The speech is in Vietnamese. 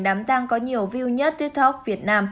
đám tang có nhiều view nhất tiktoker việt nam